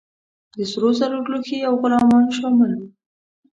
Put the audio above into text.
د سرو زرو لوښي او غلامان شامل وه.